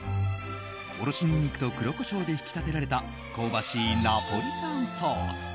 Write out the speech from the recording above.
おろしニンニクと黒コショウで引き立てられた香ばしいナポリタンソース。